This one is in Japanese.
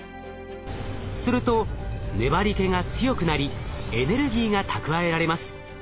すると粘り気が強くなりエネルギーが蓄えられます。